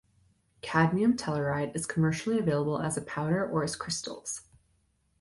Cadmium telluride is commercially available as a powder, or as crystals.